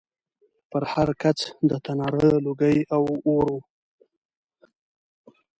پر هر کڅ د تناره لوګی او اور و